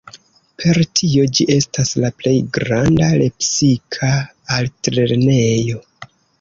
Per tio ĝi estas la plej granda lepsika altlernejo.